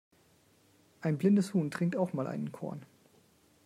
Ein blindes Huhn trinkt auch mal einen Korn.